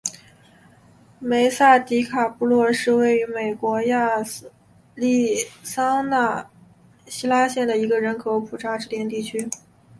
梅萨迪卡布洛是位于美国亚利桑那州希拉县的一个人口普查指定地区。